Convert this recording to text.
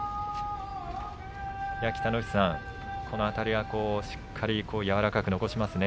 北の富士さん、このあたりはしっかりと柔らかく残しますね。